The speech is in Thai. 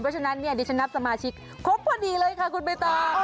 เพราะฉะนั้นดิฉนับสมาชิกครบกว่าดีเลยค่ะคุณเบตอร์